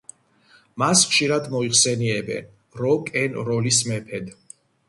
მას ხშირად მოიხსენიებენ „როკ-ენ-როლის მეფედ“.